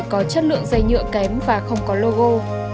có chất lượng dây nhựa kém và không có logo